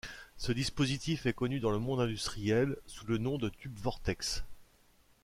Ce dispositif est connu dans le monde industriel sous le nom de tube vortex.